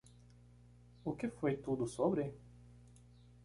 O que foi tudo sobre?